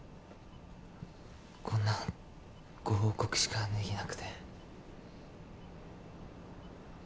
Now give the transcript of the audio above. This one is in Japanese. こんなご報告しかできなくて。